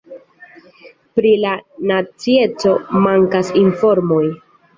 Pri la nacieco mankas informoj.